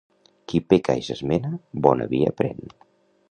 Qui peca i s'esmena, bona via pren.